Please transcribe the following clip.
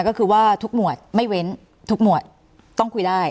ก็คือว่าทุกหมวดไม่เว้นทุกหมวดต้องคุยได้